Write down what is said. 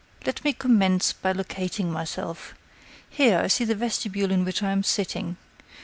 "Let me commence by locating myself. Here, I see the vestibule in which I am sitting.